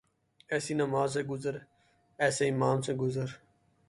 ایسی نماز سے گزر ، ایسے امام سے گزر